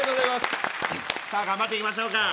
頑張っていきましょうか。